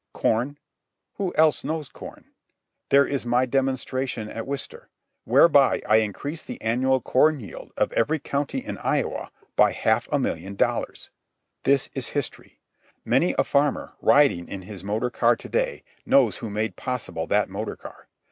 Corn? Who else knows corn? There is my demonstration at Wistar, whereby I increased the annual corn yield of every county in Iowa by half a million dollars. This is history. Many a farmer, riding in his motor car to day, knows who made possible that motor car.